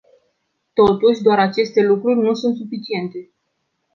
Totuși, doar aceste lucruri nu sunt suficiente.